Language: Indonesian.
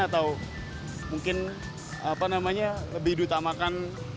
atau mungkin lebih ditamakan